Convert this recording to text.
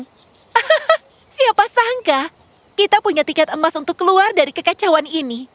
hahaha siapa sangka kita punya tiket emas untuk keluar dari kekacauan ini